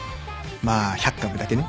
まあ１００株だけね。